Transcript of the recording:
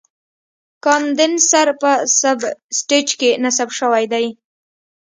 کاندنسر په سب سټیج کې نصب شوی دی.